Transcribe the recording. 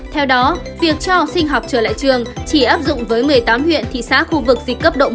theo đó việc cho học sinh học trở lại trường chỉ áp dụng với một mươi tám huyện thị xã khu vực dịch cấp độ một